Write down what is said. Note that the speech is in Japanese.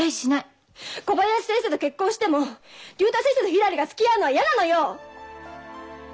小林先生と結婚しても竜太先生とひらりがつきあうのはやなのよ！